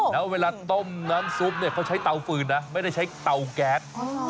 แล้วเวลาต้มน้ำซุปเนี่ยเขาใช้เตาฟืนนะไม่ได้ใช้เตาแก๊ส